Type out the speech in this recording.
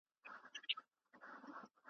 پوهاوی د انسان ستره شتمني ده.